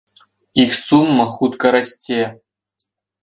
Іх сума хутка расце.